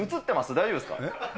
大丈夫ですか？